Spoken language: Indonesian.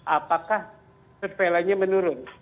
apakah surveilannya menurun